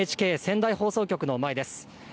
ＮＨＫ仙台放送局の前です。